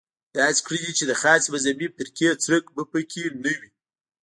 داسې کړنې چې د خاصې مذهبي فرقې څرک به په کې نه وي.